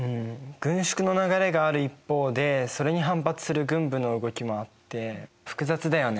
軍縮の流れがある一方でそれに反発する軍部の動きもあって複雑だよね。